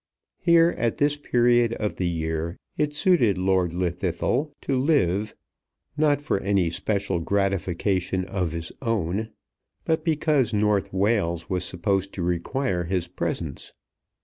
Here at this period of the year it suited Lord Llwddythlw to live, not for any special gratification of his own, but because North Wales was supposed to require his presence.